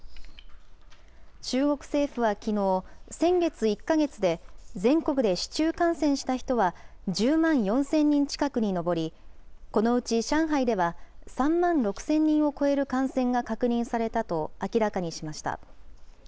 中国政府はきのう、先月１か月で全国で市中感染した人は、１０万４０００人近くに上り、このうち上海では、３万６０００人を超える感染が確認されたと明らかにしました。